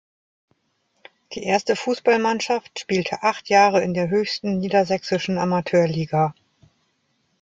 Die erste Fußballmannschaft spielte acht Jahre in der höchsten niedersächsischen Amateurliga.